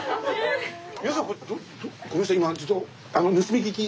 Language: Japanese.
皆さんごめんなさい